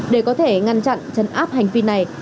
để có thể ngăn chặn chấn áp hành vi này